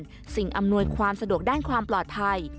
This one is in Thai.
การบริการสิ่งอำนวยความสะดวกด้านความปลอดภัย